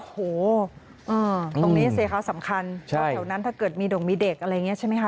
โอ้โหตรงนี้สิคะสำคัญแถวนั้นถ้าเกิดมีดงมีเด็กอะไรอย่างนี้ใช่ไหมคะ